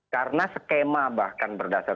karena skema bahkan berdasar